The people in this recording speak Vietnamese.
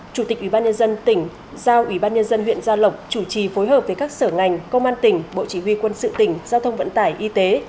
chủ tịch ủy ban nhân dân tỉnh giao ủy ban nhân dân huyện gia lộc chủ trì phối hợp với các sở ngành công an tỉnh bộ chỉ huy quân sự tỉnh giao thông vận tải y tế